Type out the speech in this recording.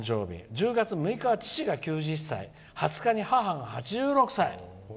１０月６日は父が９０歳２０日に母が８６歳」。